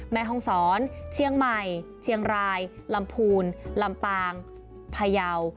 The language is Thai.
แม่ห้องศรเชียงใหม่เชียงรายลำพูนลำปางพยาว